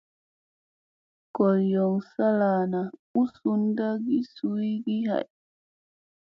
Goriyoŋ salana hu sunda ki su ii ha.